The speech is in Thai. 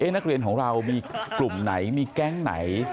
นักเรียนของเรามีกลุ่มไหนมีแก๊งไหน